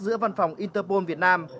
giữa văn phòng interpol việt nam